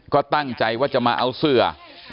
ก็ตั้งใจว่าจะมาเอาเสือ